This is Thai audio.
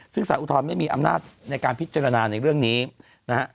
ซึ่งสารอุทธรณไม่มีอำนาจในการพิจารณาในเรื่องนี้นะฮะ